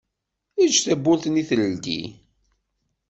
Eǧǧ tawwurt-nni teldi.